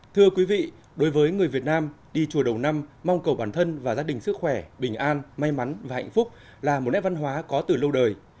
thưa quý vị đối với người việt nam đi chùa đầu năm mong cầu bản thân và gia đình sức khỏe bình an may mắn và hạnh phúc là một nét văn hóa có từ lâu đời